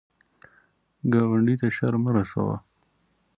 ګاونډي ته شر مه رسوه